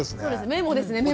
メモですねメモ。